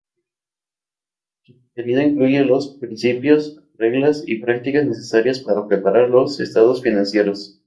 Su contenido incluye los principios, reglas y prácticas necesarias para preparar los estados financieros.